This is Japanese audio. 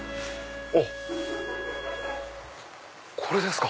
あっこれですか。